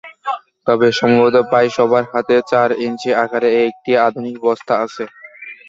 তবে সম্ভবত প্রায় সবার হাতেই চার ইঞ্চি আকারের একটি আধুনিক বস্তু আছে।